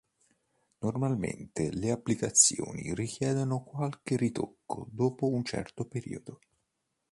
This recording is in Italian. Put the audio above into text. Normalmente le applicazioni richiedono qualche ritocco dopo un certo periodo.